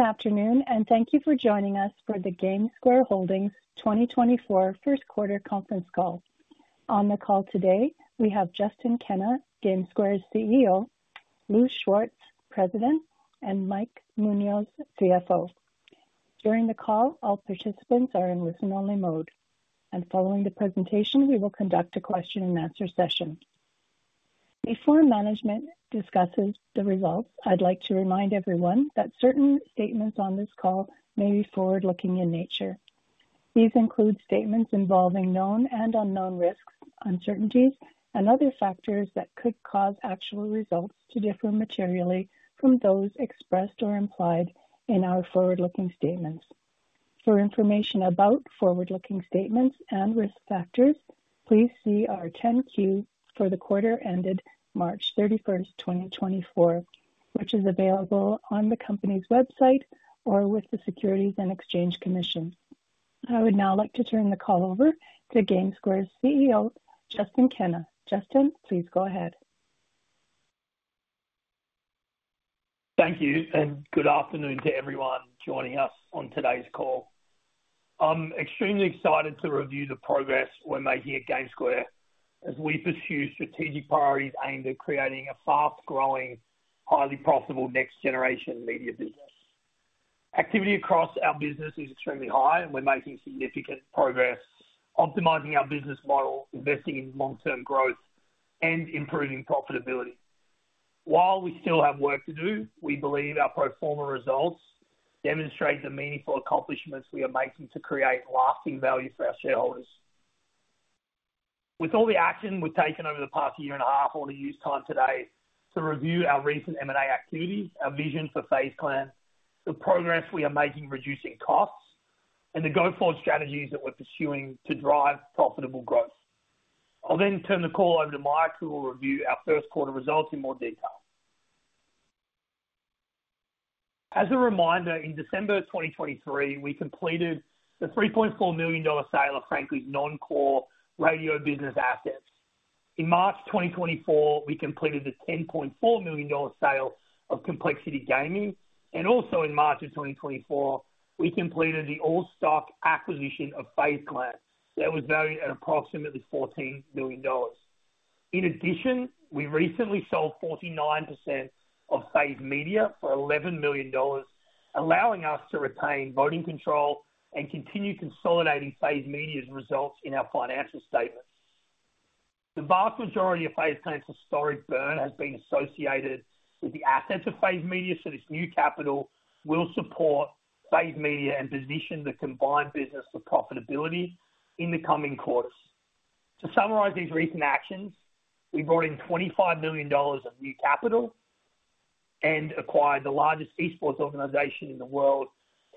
Good afternoon, and thank you for joining us for the GameSquare Holdings 2024 first quarter conference call. On the call today, we have Justin Kenna, GameSquare's CEO, Lou Schwartz, President, and Mike Munoz, CFO. During the call, all participants are in listen-only mode, and following the presentation, we will conduct a question-and-answer session. Before management discusses the results, I'd like to remind everyone that certain statements on this call may be forward-looking in nature. These include statements involving known and unknown risks, uncertainties, and other factors that could cause actual results to differ materially from those expressed or implied in our forward-looking statements. For information about forward-looking statements and risk factors, please see our 10-Q for the quarter ended March 31, 2024, which is available on the company's website or with the Securities and Exchange Commission. I would now like to turn the call over to GameSquare's CEO, Justin Kenna. Justin, please go ahead. Thank you, and good afternoon to everyone joining us on today's call. I'm extremely excited to review the progress we're making at GameSquare as we pursue strategic priorities aimed at creating a fast-growing, highly profitable next-generation media business. Activity across our business is extremely high, and we're making significant progress optimizing our business model, investing in long-term growth, and improving profitability. While we still have work to do, we believe our pro forma results demonstrate the meaningful accomplishments we are making to create lasting value for our shareholders. With all the action we've taken over the past year and a half, I want to use time today to review our recent M&A activities, our vision for FaZe Clan, the progress we are making reducing costs, and the go-forward strategies that we're pursuing to drive profitable growth. I'll then turn the call over to Mike, who will review our first quarter results in more detail. As a reminder, in December of 2023, we completed the $3.4 million sale of Frankly Media's non-core radio business assets. In March 2024, we completed the $10.4 million sale of Complexity Gaming, and also in March of 2024, we completed the all-stock acquisition of FaZe Clan. That was valued at approximately $14 million. In addition, we recently sold 49% of FaZe Media for $11 million, allowing us to retain voting control and continue consolidating FaZe Media's results in our financial statements. The vast majority of FaZe Clan's historic burn has been associated with the assets of FaZe Media, so this new capital will support FaZe Media and position the combined business for profitability in the coming quarters. To summarize these recent actions, we brought in $25 million of new capital and acquired the largest esports organization in the world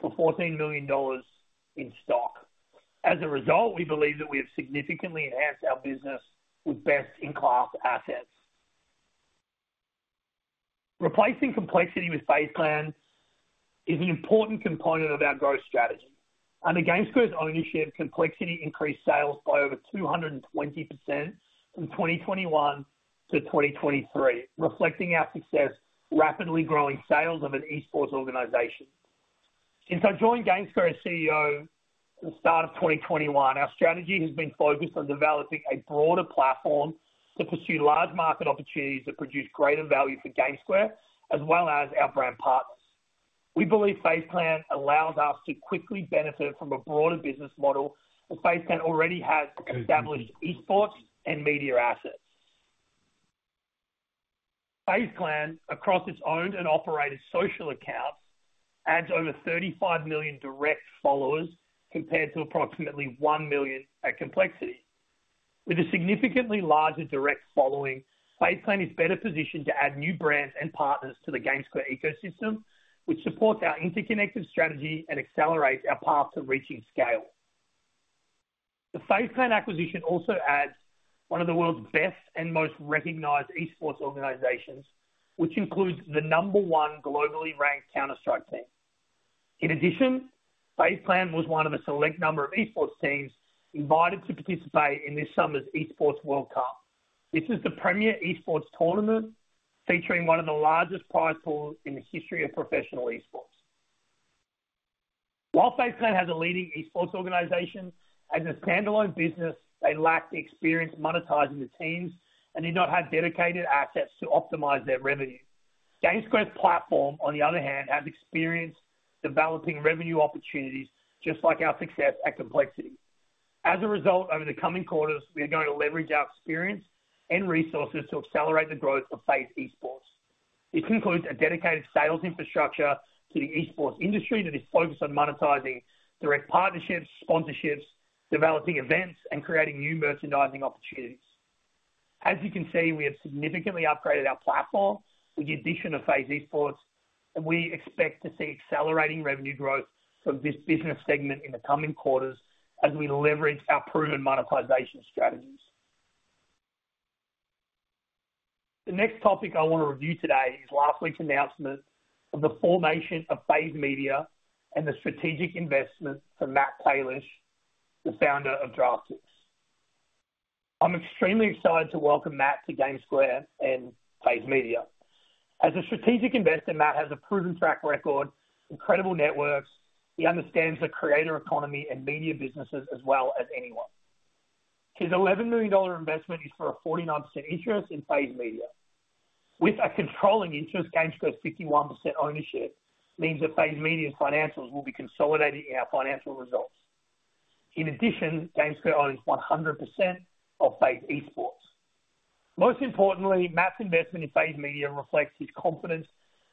for $14 million in stock. As a result, we believe that we have significantly enhanced our business with best-in-class assets. Replacing Complexity with FaZe Clan is an important component of our growth strategy. Under GameSquare's ownership, Complexity increased sales by over 220% from 2021 to 2023, reflecting our success, rapidly growing sales of an esports organization. Since I joined GameSquare as CEO at the start of 2021, our strategy has been focused on developing a broader platform to pursue large market opportunities that produce greater value for GameSquare as well as our brand partners. We believe FaZe Clan allows us to quickly benefit from a broader business model, as FaZe Clan already has established esports and media assets. FaZe Clan, across its owned and operated social accounts, adds over 35 million direct followers, compared to approximately 1 million at Complexity. With a significantly larger direct following, FaZe Clan is better positioned to add new brands and partners to the GameSquare ecosystem, which supports our interconnected strategy and accelerates our path to reaching scale. The FaZe Clan acquisition also adds one of the world's best and most recognized esports organizations, which includes the number one globally ranked Counter-Strike team. In addition, FaZe Clan was one of a select number of esports teams invited to participate in this summer's esports World Cup. This is the premier esports tournament, featuring one of the largest prize pools in the history of professional esports. While FaZe Clan has a leading esports organization, as a standalone business, they lacked experience monetizing the teams and did not have dedicated assets to optimize their revenue. GameSquare's platform, on the other hand, has experience developing revenue opportunities, just like our success at Complexity. As a result, over the coming quarters, we are going to leverage our experience and resources to accelerate the growth of FaZe esports. This includes a dedicated sales infrastructure to the esports industry that is focused on monetizing direct partnerships, sponsorships, developing events, and creating new merchandising opportunities. As you can see, we have significantly upgraded our platform with the addition of FaZe esports, and we expect to see accelerating revenue growth from this business segment in the coming quarters as we leverage our proven monetization strategies. The next topic I want to review today is last week's announcement of the formation of FaZe Media and the strategic investment from Matt Kalish, the founder of DraftKings.... I'm extremely excited to welcome Matt to GameSquare and FaZe Media. As a strategic investor, Matt has a proven track record, incredible networks. He understands the creator economy and media businesses as well as anyone. His $11 million investment is for a 49% interest in FaZe Media. With a controlling interest, GameSquare's 51% ownership means that FaZe Media's financials will be consolidated in our financial results. In addition, GameSquare owns 100% of FaZe esports. Most importantly, Matt's investment in FaZe Media reflects his confidence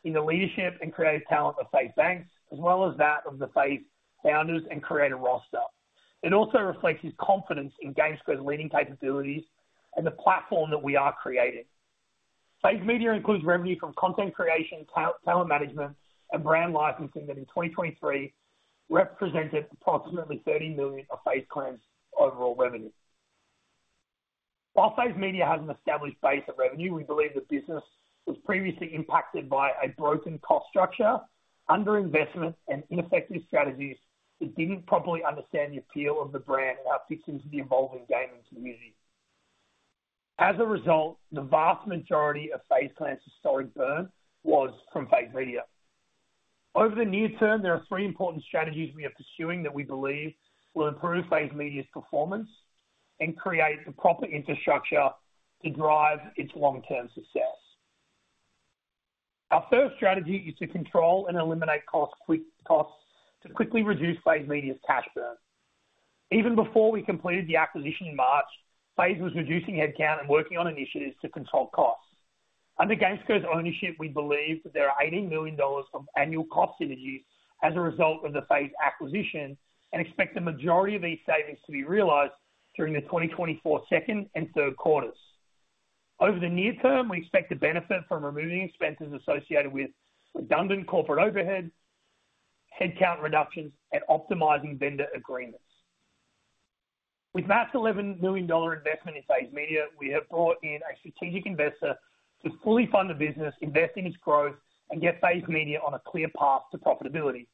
in the leadership and creative talent of FaZe Banks, as well as that of the FaZe founders and creator roster. It also reflects his confidence in GameSquare's leading capabilities and the platform that we are creating. FaZe Media includes revenue from content creation, talent management, and brand licensing that in 2023 represented approximately $30 million of FaZe Clan's overall revenue. While FaZe Media has an established base of revenue, we believe the business was previously impacted by a broken cost structure, underinvestment, and ineffective strategies that didn't properly understand the appeal of the brand and how it fits into the evolving gaming community. As a result, the vast majority of FaZe Clan's historic burn was from FaZe Media. Over the near term, there are three important strategies we are pursuing that we believe will improve FaZe Media's performance and create the proper infrastructure to drive its long-term success. Our first strategy is to control and eliminate costs, to quickly reduce FaZe Media's cash burn. Even before we completed the acquisition in March, FaZe was reducing headcount and working on initiatives to control costs. Under GameSquare's ownership, we believe that there are $80 million from annual cost synergies as a result of the FaZe acquisition, and expect the majority of these savings to be realized during the 2024 second and third quarters. Over the near term, we expect to benefit from removing expenses associated with redundant corporate overhead, headcount reductions, and optimizing vendor agreements. With Matt's $11 million investment in FaZe Media, we have brought in a strategic investor to fully fund the business, invest in its growth, and get FaZe Media on a clear path to profitability.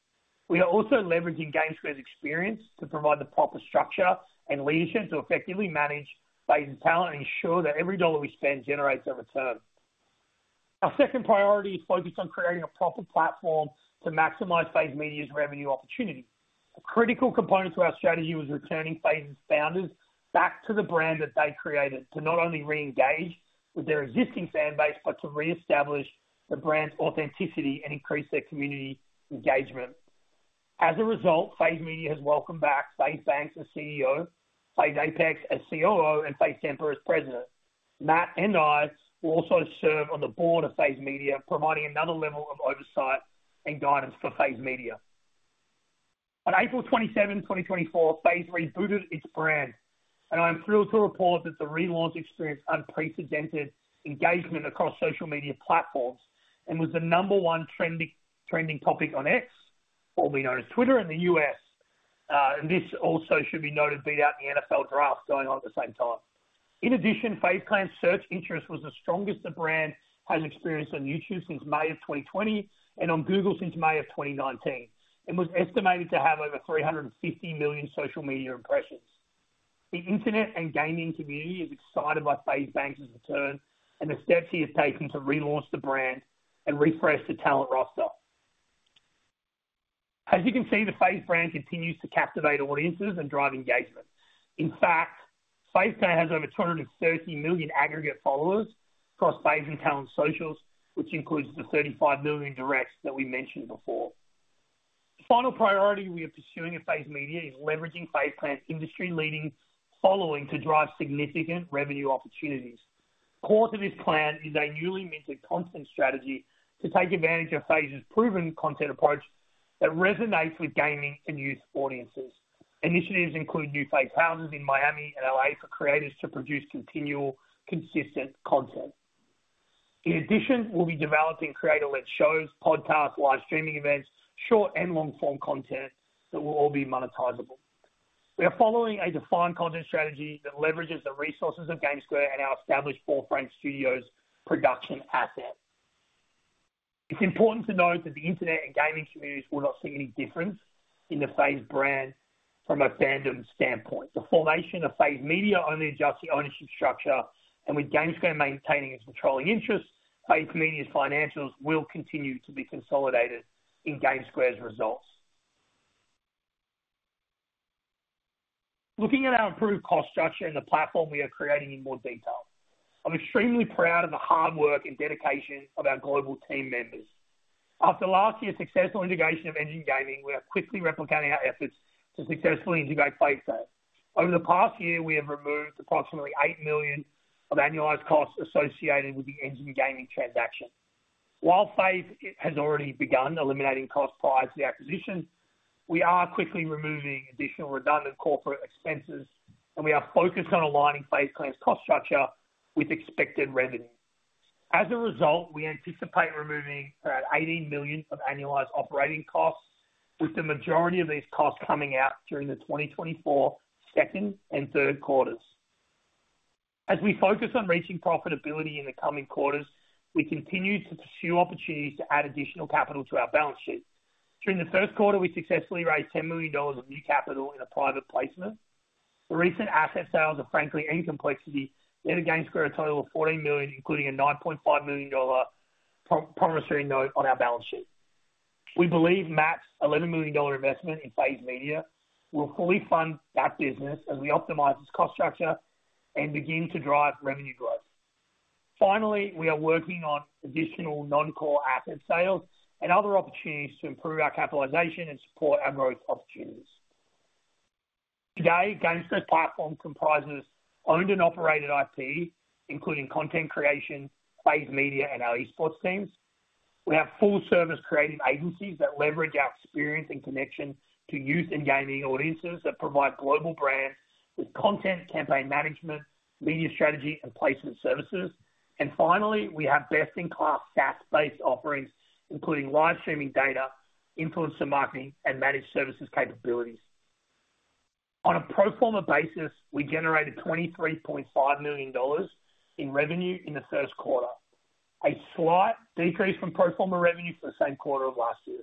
We are also leveraging GameSquare's experience to provide the proper structure and leadership to effectively manage FaZe talent and ensure that every dollar we spend generates a return. Our second priority is focused on creating a proper platform to maximize FaZe Media's revenue opportunity. A critical component to our strategy was returning FaZe's founders back to the brand that they created, to not only re-engage with their existing fan base, but to reestablish the brand's authenticity and increase their community engagement. As a result, FaZe Media has welcomed back FaZe Banks as CEO, FaZe Apex as COO, and FaZe Temperrr as President. Matt and I will also serve on the board of FaZe Media, providing another level of oversight and guidance for FaZe Media. On April 27, 2024, FaZe rebooted its brand, and I'm thrilled to report that the relaunch experienced unprecedented engagement across social media platforms and was the number one trending topic on X, formerly known as Twitter, in the U.S., and this also should be noted, beat out the NFL Draft going on at the same time. In addition, FaZe Clan search interest was the strongest the brand has experienced on YouTube since May 2020, and on Google since May 2019. It was estimated to have over 350 million social media impressions. The internet and gaming community is excited by FaZe Banks's return and the steps he has taken to relaunch the brand and refresh the talent roster. As you can see, the FaZe brand continues to captivate audiences and drive engagement. In fact, FaZe Clan has over 230 million aggregate followers across FaZe and Talent socials, which includes the 35 million directs that we mentioned before. The final priority we are pursuing at FaZe Media is leveraging FaZe Clan's industry-leading following to drive significant revenue opportunities. Core to this plan is a newly minted content strategy to take advantage of FaZe's proven content approach that resonates with gaming and youth audiences. Initiatives include new FaZe houses in Miami and L.A. for creators to produce continual, consistent content. In addition, we'll be developing creator-led shows, podcasts, live streaming events, short and long-form content that will all be monetizable. We are following a defined content strategy that leverages the resources of GameSquare and our established Fourth Frame Studios production asset. It's important to note that the internet and gaming communities will not see any difference in the FaZe brand from a fandom standpoint. The formation of FaZe Media only adjusts the ownership structure, and with GameSquare maintaining its controlling interest, FaZe Media's financials will continue to be consolidated in GameSquare's results. Looking at our improved cost structure and the platform we are creating in more detail. I'm extremely proud of the hard work and dedication of our global team members. After last year's successful integration of Engine Gaming, we are quickly replicating our efforts to successfully integrate FaZe Clan. Over the past year, we have removed approximately $8 million of annualized costs associated with the Engine Gaming transaction. While FaZe has already begun eliminating costs prior to the acquisition, we are quickly removing additional redundant corporate expenses, and we are focused on aligning FaZe Clan's cost structure with expected revenue. As a result, we anticipate removing around $80 million of annualized operating costs, with the majority of these costs coming out during the 2024 second and third quarters. As we focus on reaching profitability in the coming quarters, we continue to pursue opportunities to add additional capital to our balance sheet. During the first quarter, we successfully raised $10 million of new capital in a private placement. The recent asset sales of Frankly and Complexity netted GameSquare a total of $14 million, including a $9.5 million promissory note on our balance sheet. We believe Matt's $11 million investment in FaZe Media will fully fund that business as we optimize its cost structure and begin to drive revenue growth. Finally, we are working on additional non-core asset sales and other opportunities to improve our capitalization and support our growth opportunities. Today, GameSquare platform comprises owned and operated IP, including content creation, FaZe Media, and our esports teams. We have full-service creative agencies that leverage our experience and connection to youth and gaming audiences, that provide global brands with content, campaign management, media strategy, and placement services. And finally, we have best-in-class SaaS-based offerings, including live streaming data, influencer marketing, and managed services capabilities. On a pro forma basis, we generated $23.5 million in revenue in the first quarter, a slight decrease from pro forma revenue for the same quarter of last year.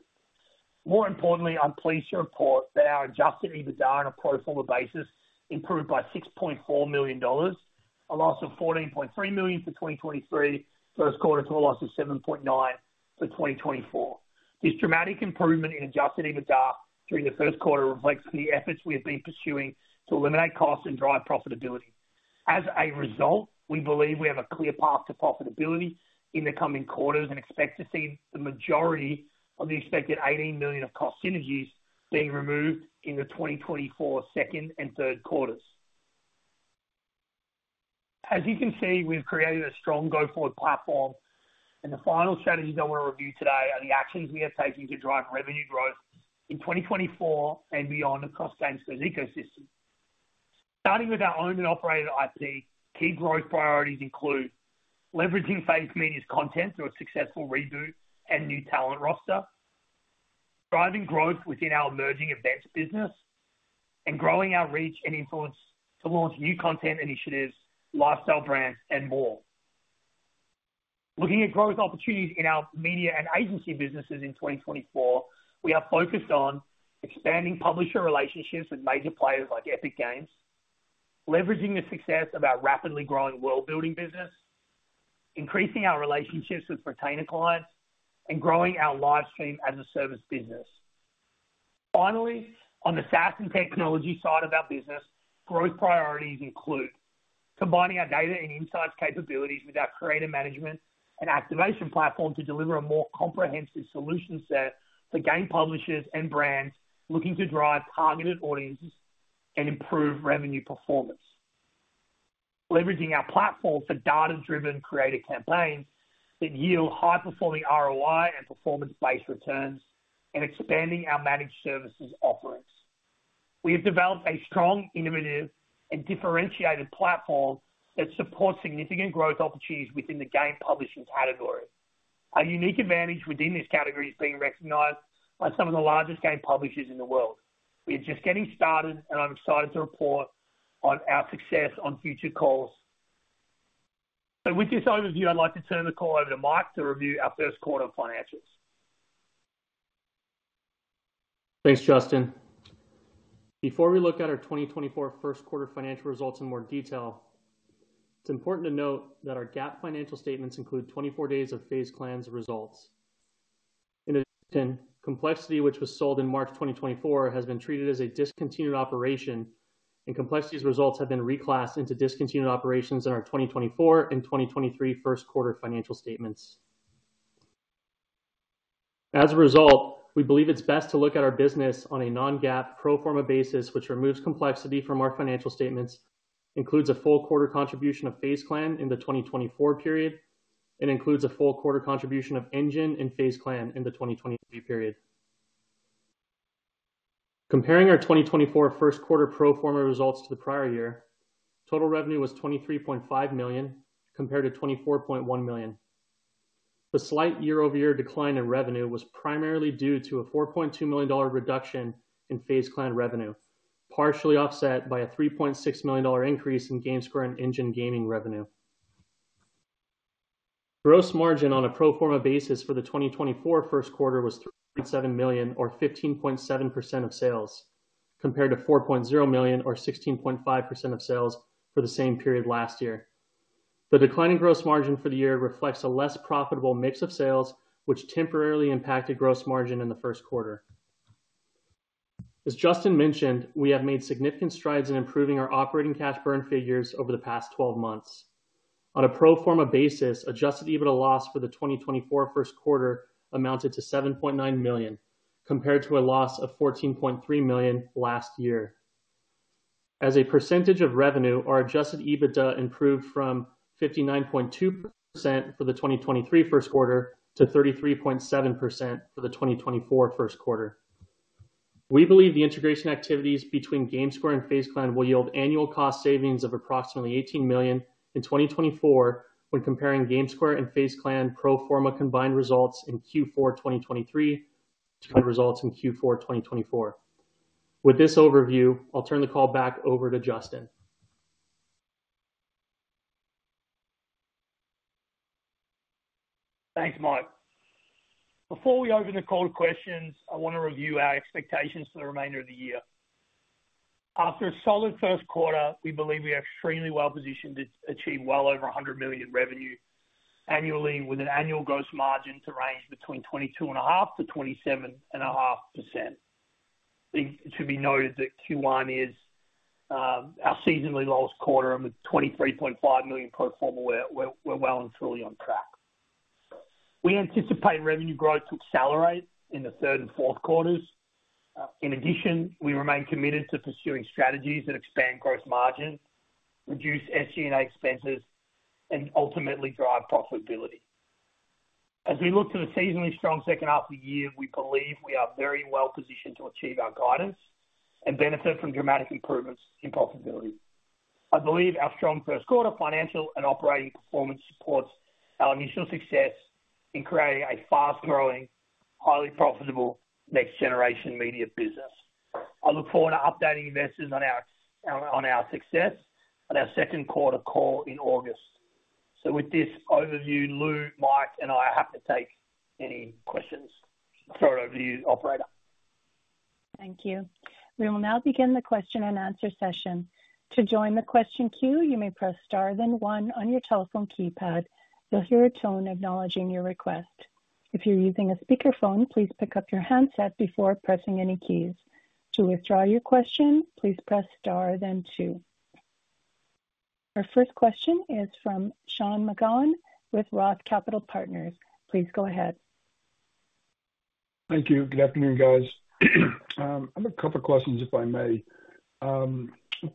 More importantly, I'm pleased to report that our adjusted EBITDA on a pro forma basis improved by $6.4 million, a loss of $14.3 million for 2023 first quarter, to a loss of $7.9 million for 2024. This dramatic improvement in adjusted EBITDA through the first quarter reflects the efforts we have been pursuing to eliminate costs and drive profitability. As a result, we believe we have a clear path to profitability in the coming quarters and expect to see the majority of the expected $18 million of cost synergies being removed in the 2024 second and third quarters. As you can see, we've created a strong go-forward platform, and the final strategies I want to review today are the actions we are taking to drive revenue growth in 2024 and beyond across GameSquare's ecosystem. Starting with our owned and operated IP, key growth priorities include leveraging FaZe Media's content through a successful reboot and new talent roster, driving growth within our emerging events business, and growing our reach and influence to launch new content initiatives, lifestyle brands, and more. Looking at growth opportunities in our media and agency businesses in 2024, we are focused on expanding publisher relationships with major players like Epic Games, leveraging the success of our rapidly growing world-building business, increasing our relationships with retainer clients, and growing our live stream as a service business. Finally, on the SaaS and technology side of our business, growth priorities include combining our data and insights capabilities with our creative management and activation platform to deliver a more comprehensive solution set to game publishers and brands looking to drive targeted audiences and improve revenue performance. Leveraging our platform for data-driven creative campaigns that yield high-performing ROI and performance-based returns, and expanding our managed services offerings. We have developed a strong, innovative, and differentiated platform that supports significant growth opportunities within the game publishing category. Our unique advantage within this category is being recognized by some of the largest game publishers in the world. We are just getting started, and I'm excited to report on our success on future calls. With this overview, I'd like to turn the call over to Mike to review our first quarter financials. Thanks, Justin. Before we look at our 2024 first-quarter financial results in more detail, it's important to note that our GAAP financial statements include 24 days of FaZe Clan's results. In addition, Complexity, which was sold in March 2024, has been treated as a discontinued operation, and Complexity's results have been reclassed into discontinued operations in our 2024 and 2023 first quarter financial statements. As a result, we believe it's best to look at our business on a non-GAAP pro forma basis, which removes Complexity from our financial statements, includes a full quarter contribution of FaZe Clan in the 2024 period, and includes a full quarter contribution of Engine and FaZe Clan in the 2023 period. Comparing our 2024 first quarter pro forma results to the prior year, total revenue was $23.5 million, compared to $24.1 million. The slight year-over-year decline in revenue was primarily due to a $4.2 million reduction in FaZe Clan revenue, partially offset by a $3.6 million increase in GameSquare and Engine Gaming revenue. Gross margin on a pro forma basis for the 2024 first quarter was $3.7 million or 15.7% of sales, compared to $4.0 million or 16.5% of sales for the same period last year. The decline in gross margin for the year reflects a less profitable mix of sales, which temporarily impacted gross margin in the first quarter. As Justin mentioned, we have made significant strides in improving our operating cash burn figures over the past twelve months. On a pro forma basis, adjusted EBITDA loss for the 2024 first quarter amounted to $7.9 million, compared to a loss of $14.3 million last year. As a percentage of revenue, our adjusted EBITDA improved from 59.2% for the 2023 first quarter to 33.7% for the 2024 first quarter. We believe the integration activities between GameSquare and FaZe Clan will yield annual cost savings of approximately $18 million in 2024 when comparing GameSquare and FaZe Clan pro forma combined results in Q4 2023 to results in Q4 2024. With this overview, I'll turn the call back over to Justin. Thanks, Mike. Before we open the call to questions, I want to review our expectations for the remainder of the year. After a solid first quarter, we believe we are extremely well positioned to achieve well over $100 million in revenue annually, with an annual gross margin to range between 22.5%-27.5%. It should be noted that Q1 is our seasonally lowest quarter, and with $23.5 million pro forma, we're well and truly on track. We anticipate revenue growth to accelerate in the third and fourth quarters. In addition, we remain committed to pursuing strategies that expand gross margin, reduce SG&A expenses, and ultimately drive profitability. As we look to the seasonally strong second half of the year, we believe we are very well positioned to achieve our guidance and benefit from dramatic improvements in profitability. I believe our strong first quarter financial and operating performance supports our initial success in creating a fast-growing, highly profitable next-generation media business. I look forward to updating investors on our success at our second quarter call in August. So with this overview, Lou, Mike, and I are happy to take any questions. Throw it over to you, operator. Thank you. We will now begin the question-and-answer session. To join the question queue, you may press star, then one on your telephone keypad. You'll hear a tone acknowledging your request. If you're using a speakerphone, please pick up your handset before pressing any keys. To withdraw your question, please press star then two. Our first question is from Sean McGowan with Roth Capital Partners. Please go ahead. Thank you. Good afternoon, guys. I have a couple of questions, if I may. Can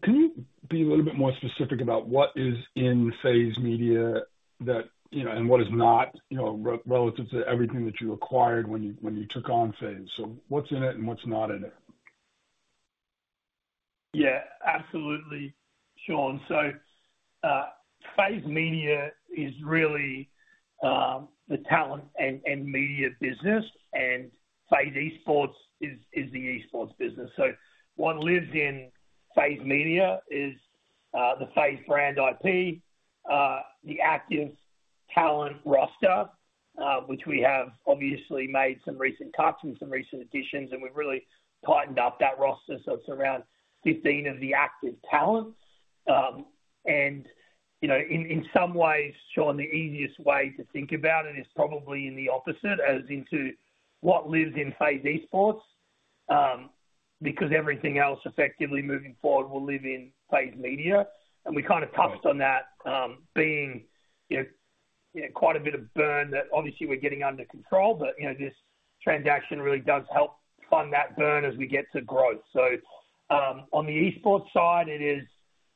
you be a little bit more specific about what is in FaZe Media that, you know, and what is not, you know, relative to everything that you acquired when you took on FaZe? So what's in it and what's not in it? Yeah, absolutely, Sean. So, FaZe Media is really the talent and media business, and FaZe esports is the esports business. So what lives in FaZe Media is the FaZe brand IP, the active talent roster, which we have obviously made some recent cuts and some recent additions, and we've really tightened up that roster. So it's around 15 of the active talents. And, you know, in some ways, Sean, the easiest way to think about it is probably in the opposite as opposed to what lives in FaZe esports, because everything else effectively moving forward will live in FaZe Media. And we kind of touched on that, being, you know, quite a bit of burn that obviously we're getting under control, but, you know, this transaction really does help fund that burn as we get to growth. So, on the esports side, it is,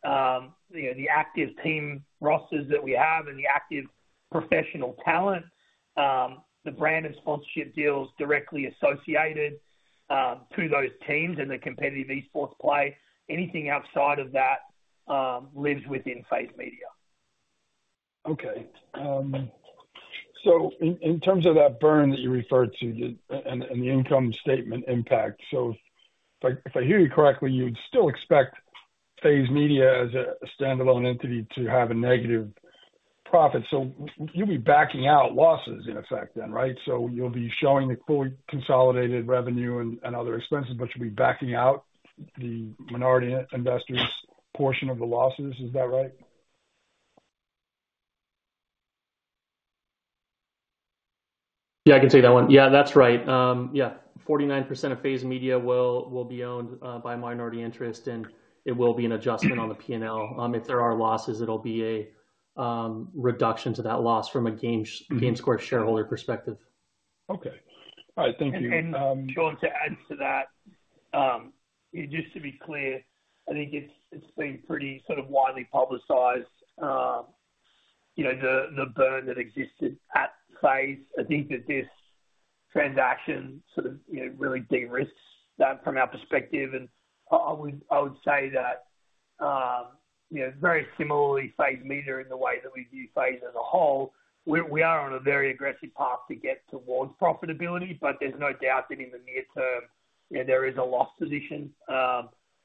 you know, the active team rosters that we have and the active professional talent, the brand and sponsorship deals directly associated to those teams and the competitive esports play. Anything outside of that, lives within FaZe Media. Okay. So in terms of that burn that you referred to and the income statement impact, so if I hear you correctly, you'd still expect FaZe Media as a standalone entity to have a negative profit. So you'll be backing out losses in effect then, right? So you'll be showing the fully consolidated revenue and other expenses, but you'll be backing out the minority investors' portion of the losses. Is that right? Yeah, I can take that one. Yeah, that's right. Yeah, 49% of FaZe Media will be owned by minority interest, and it will be an adjustment on the P&L. If there are losses, it'll be a reduction to that loss from a GameSquare shareholder perspective. Okay. All right. Thank you. And, Sean, to add to that, just to be clear, I think it's been pretty sort of widely publicized, you know, the burn that existed at FaZe. I think that this transaction sort of, you know, really de-risks that from our perspective. And I would say that, you know, very similarly, FaZe Media in the way that we view FaZe as a whole, we are on a very aggressive path to get towards profitability, but there's no doubt that in the near term, you know, there is a loss position.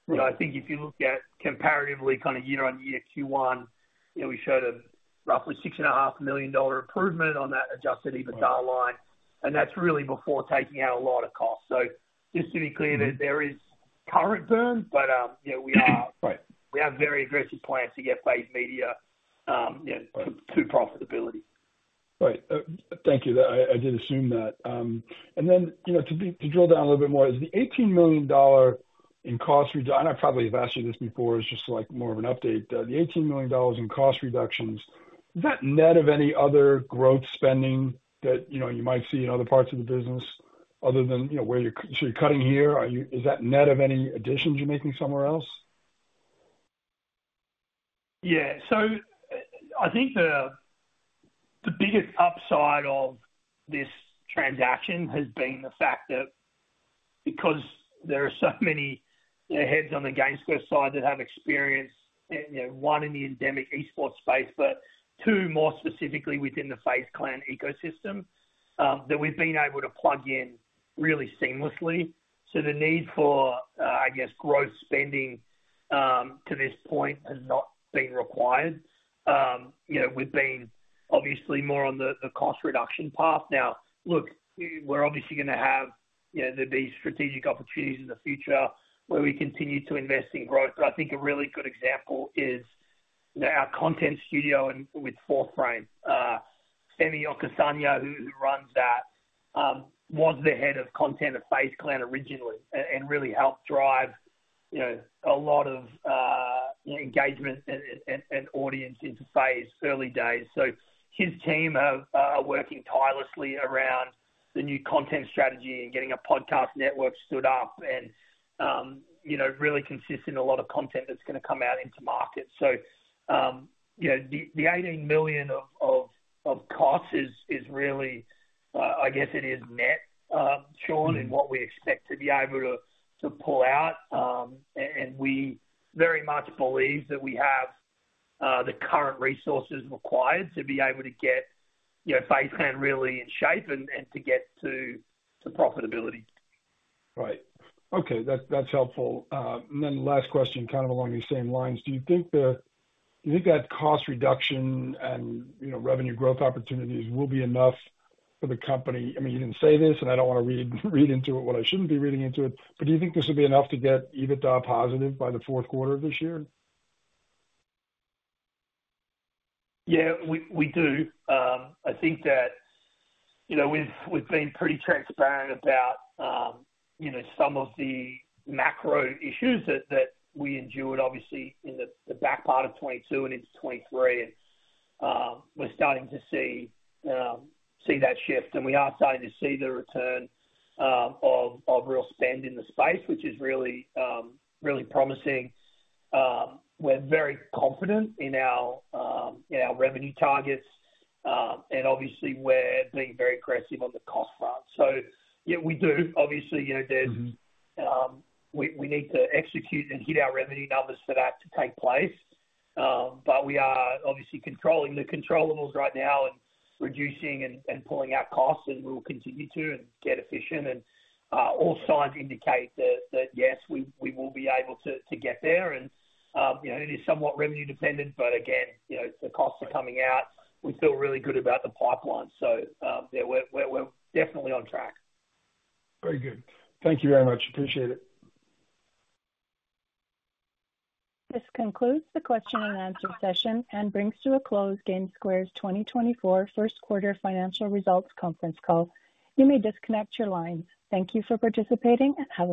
You know, I think if you look at comparatively kind of year-on-year Q1, you know, we showed a roughly $6.5 million improvement on that adjusted EBITDA line, and that's really before taking out a lot of costs. So just to be clear, there is current burn, but yeah, we are- Right. We have very aggressive plans to get FaZe Media, you know, to profitability. Right. Thank you. I, I did assume that. And then, you know, to drill down a little bit more, is the $18 million in cost reduction. And I probably have asked you this before, it's just like more of an update. The $18 million in cost reductions, is that net of any other growth spending that, you know, you might see in other parts of the business other than, you know, where you're -- so you're cutting here, are you- is that net of any additions you're making somewhere else? Yeah. So I think the biggest upside of this transaction has been the fact that because there are so many heads on the GameSquare side that have experience, you know, one, in the endemic esports space, but two, more specifically within the FaZe Clan ecosystem, that we've been able to plug in really seamlessly. So the need for, I guess, growth spending, to this point has not been required. You know, we've been obviously more on the cost reduction path. Now, look, we're obviously gonna have, you know, there'll be strategic opportunities in the future where we continue to invest in growth. But I think a really good example is, you know, our content studio and with Fourth Frame. Oluwafemi Okusanya, who runs that, was the head of content at FaZe Clan originally, and really helped drive, you know, a lot of engagement and audience into FaZe's early days. So his team are working tirelessly around the new content strategy and getting a podcast network stood up and, you know, really consisting a lot of content that's gonna come out into market. So, you know, the $18 million of costs is really, I guess it is net, Sean, in what we expect to be able to pull out. And we very much believe that we have the current resources required to be able to get, you know, FaZe Clan really in shape and to get to profitability. Right. Okay, that's helpful. And then the last question, kind of along the same lines: do you think that cost reduction and, you know, revenue growth opportunities will be enough for the company? I mean, you didn't say this, and I don't want to read into it what I shouldn't be reading into it, but do you think this will be enough to get EBITDA positive by the fourth quarter of this year? Yeah, we do. I think that, you know, we've, we've been pretty transparent about, you know, some of the macro issues that, that we endured, obviously, in the, the back part of 2022 and into 2023. And, we're starting to see that shift, and we are starting to see the return, of real spend in the space, which is really, really promising. We're very confident in our, in our revenue targets, and obviously, we're being very aggressive on the cost front. So yeah, we do. Obviously, you know, there's- Mm-hmm. We need to execute and hit our revenue numbers for that to take place. But we are obviously controlling the controllables right now and reducing and pulling out costs, and we'll continue to get efficient. And all signs indicate that yes, we will be able to get there. And you know, it is somewhat revenue dependent, but again, you know, the costs are coming out. We feel really good about the pipeline, so yeah, we're definitely on track. Very good. Thank you very much. Appreciate it. This concludes the question and answer session and brings to a close GameSquare's 2024 first-quarter financial results conference call. You may disconnect your lines. Thank you for participating, and have a great day.